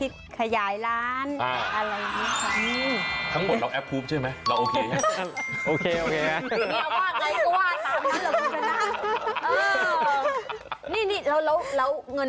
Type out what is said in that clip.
จะเอาในที่ขยายล้าน